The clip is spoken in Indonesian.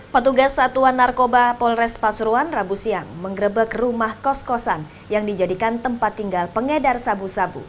petugas satuan narkoba polres pasuruan rabu siang mengrebek rumah kos kosan yang dijadikan tempat tinggal pengedar sabu sabu